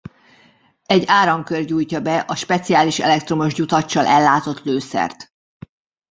Egy áramkör gyújtja be a speciális elektromos gyutaccsal ellátott lőszert.